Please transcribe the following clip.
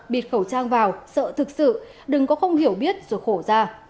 bịt khẩu trang vào sợ thực sự đừng có không hiểu biết rồi khổ ra